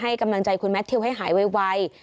กำลังใจคุณแมททิวให้หายไว